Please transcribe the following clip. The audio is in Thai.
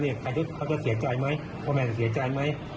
ใครรู้เขาจะเสียใจไหมว่าแม่จะเสียใจไหม